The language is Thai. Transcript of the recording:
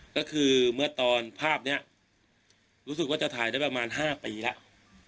ก็คือเมื่อตอนภาพนี้รู้สึกว่าจะถ่ายได้ประมาณ๕ปีแล้ว